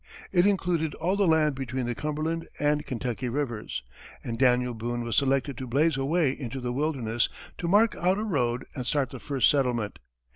It included all the land between the Cumberland and Kentucky rivers, and Daniel Boone was selected to blaze a way into the wilderness, to mark out a road, and start the first settlement.